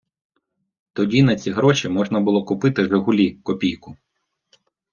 Тоді на ці гроші можна було купити "Жигулі - Копійку".